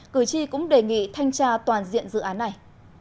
cử tri cũng đề nghị thanh tra toàn diện dự án này